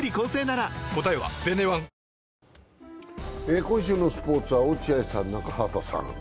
今週のスポーツは落合さん、中畑さん。